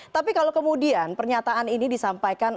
tapi kalau kemudian pernyataan ini disampaikan